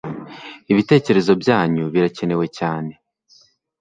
Ibitecyerezo byanyu birakenewe cyane